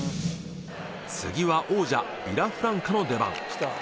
次は王者『ビラフランカ』の出番